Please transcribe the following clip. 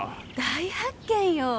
大発見よ。